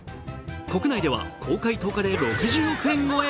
国内では公開１０日で６０億円超え